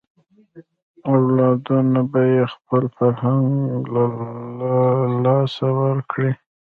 اولادونه به یې خپل فرهنګ له لاسه ورکړي.